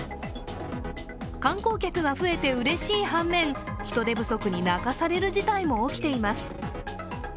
観光客が増えて嬉しい反面、人手不足に泣かされる事態も起きています。